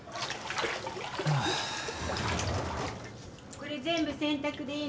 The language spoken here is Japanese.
・これ全部洗濯でいいのね？